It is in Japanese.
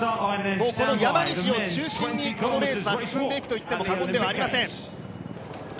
山西を中心に、このレースは進んでいくといっても過言ではありません。